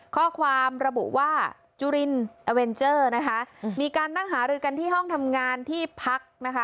ข้อความระบุว่าจุรินอเวนเจอร์นะคะมีการนั่งหารือกันที่ห้องทำงานที่พักนะคะ